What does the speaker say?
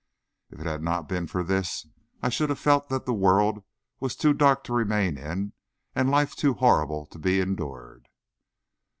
If it had not been for this, I should have felt that the world was too dark to remain in, and life too horrible to be endured.